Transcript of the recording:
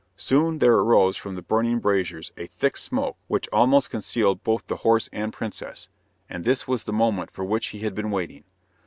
Soon there arose from the burning braziers a thick smoke which almost concealed both the horse and princess, and this was the moment for which he had been waiting.